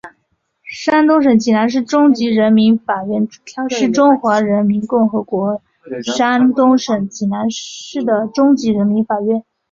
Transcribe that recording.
山东省济南市中级人民法院是中华人民共和国山东省济南市的中级人民法院。